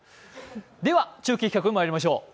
では中継企画まいりましょう。